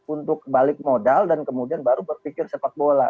untuk balik modal dan kemudian baru berpikir sepak bola